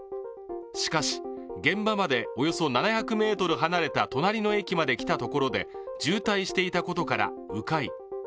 しかし、現場までおよそ７００ｍ離れた隣の駅まで来たところで渋滞していたことから、う回。